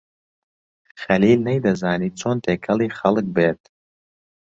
خەلیل نەیدەزانی چۆن تێکەڵی خەڵک بێت.